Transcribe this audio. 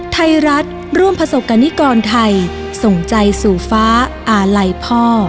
ไทยรัฐร่วมประสบกรณิกรไทยส่งใจสู่ฟ้าอาลัยพ่อ